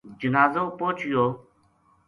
جنازو پوہچیو